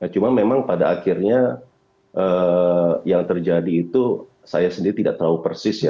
cuma memang pada akhirnya yang terjadi itu saya sendiri tidak tahu persis ya